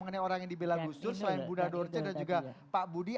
mengenai orang yang dibela gus dur selain bunda dorce dan juga pak budi